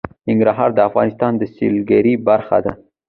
ننګرهار د افغانستان د سیلګرۍ برخه ده.